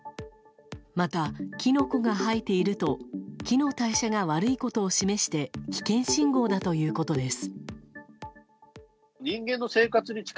また、キノコが生えていると木の代謝が悪いことを示して危険信号だということです。